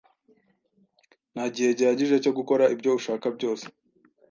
Nta gihe gihagije cyo gukora ibyo ushaka byose.